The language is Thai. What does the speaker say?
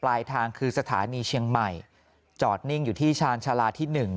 ปลายทางคือสถานีเชียงใหม่จอดนิ่งอยู่ที่ชาญชาลาที่๑